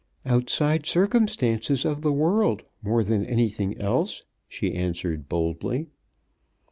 "Outside circumstances of the world more than anything else," she answered, boldly.